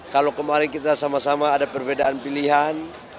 kalau kemarin kita sama sama ada perbedaan pilihan